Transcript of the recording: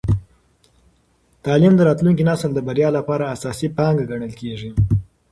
تعلیم د راتلونکي نسل د بریا لپاره اساسي پانګه ګڼل کېږي.